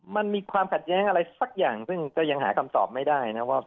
มันมีความขัดเลยอะไรสักอย่างก็ยังหาการสอบไม่ได้นะว่า